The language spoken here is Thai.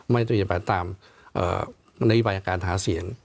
ไม่ต้องไปตามนวิบายการหาเสียง